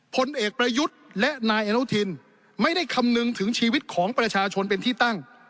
ผลเอกประยุทธ์และนายอนุทินไม่ได้คำนึงถึงชีวิตของประชาชนเป็นที่ตั้ง